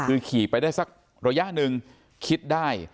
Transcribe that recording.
คือขี่ไปได้สักระยะหนึ่งคิดได้